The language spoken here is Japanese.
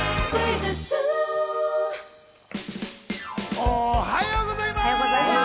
おはようございます！